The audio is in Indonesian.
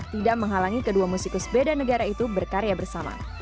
tidak menghalangi kedua musikus beda negara itu berkarya bersama